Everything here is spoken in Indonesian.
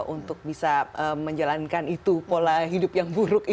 untuk bisa menjalankan itu pola hidup yang buruk